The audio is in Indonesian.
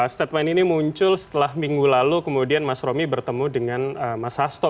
statement ini muncul setelah minggu lalu kemudian mas romi bertemu dengan mas hasto